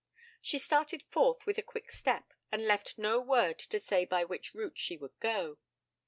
She started forth with a quick step, and left no word to say by which route she would go.